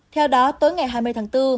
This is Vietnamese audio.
theo đó tới ngày hai mươi tháng bốn